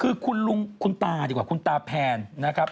คือคุณลุงคุณตาดีกว่าคุณตาแพนนะครับ